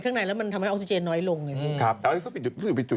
ซึ่งตอน๕โมง๔๕นะฮะทางหน่วยซิวได้มีการยุติการค้นหาที่